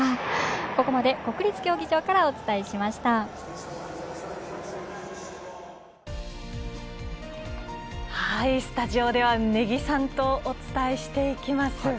ここまで国立競技場からスタジオでは根木さんとお伝えしていきます。